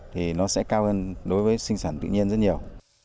thì nó sẽ cao hơn đối với sinh sản tự nhiên rất nhiều